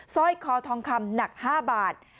สร้อยคอทองคำหนัก๕บาท